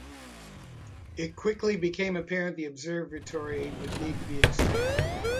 It quickly became apparent that the Observatory would need to be expanded.